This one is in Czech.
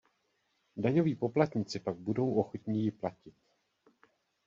Daňoví poplatníci pak budou ochotni ji platit.